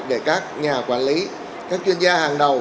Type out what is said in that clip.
để các nhà quản lý các chuyên gia hàng đầu